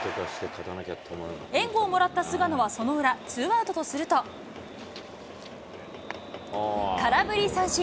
援護をもらった菅野はその裏、ツーアウトとすると、空振り三振。